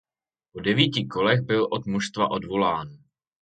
Po devíti kolech byl od mužstva odvolán.